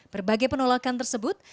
berbagai penolakan tersebut